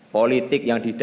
politik yang dipercaya